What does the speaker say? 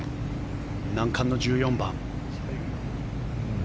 難関の１４番。